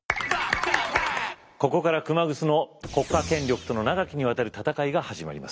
ここから熊楠の国家権力との長きにわたる戦いが始まります。